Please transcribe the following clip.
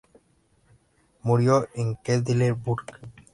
Murió en Quedlinburg.